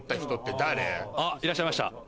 いらっしゃいました。